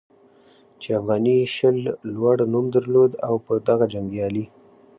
چې افغاني شل لوړ نوم درلود او په دغه جنګیالي